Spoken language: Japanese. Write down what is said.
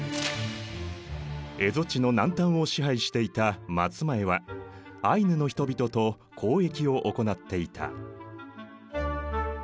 蝦夷地の南端を支配していた松前はアイヌの人々と交易を行っていた。